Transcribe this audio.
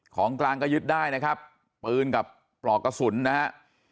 ของกลางก็ยึดได้นะครับปืนกับปลอกกระสุนนะฮะ